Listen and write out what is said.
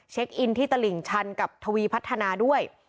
เช็คอินที่ตะหลิงชันกับทวีพัฒนาด้วย